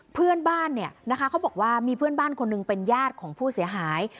เพื่อนบ้านเนี่ยนะคะเขาบอกว่ามีเพื่อนบ้านคนหนึ่งเป็นญาติของผู้เสียหาย